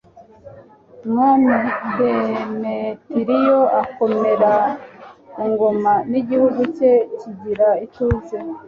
umwami demetiriyo akomera ku ngoma, n'igihugu cye kigira ituze